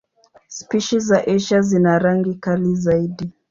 Spishi za Asia zina rangi kali zaidi.